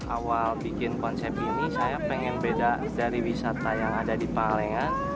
awal bikin konsep ini saya pengen beda dari wisata yang ada di palengan